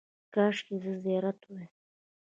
– کاشکې زه زیارت وای.